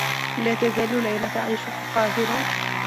لا تزال ليلى تعيش في القاهرة.